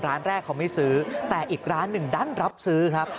ร้านแรกเขาไม่ซื้อแต่อีกร้านหนึ่งดันรับซื้อครับ